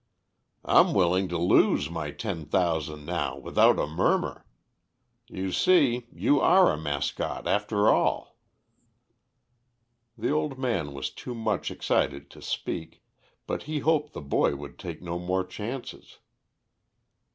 "I'm willing to lose my ten thousand now without a murmur. You see, you are a mascot after all." The old man was too much excited to speak, but he hoped the boy would take no more chances.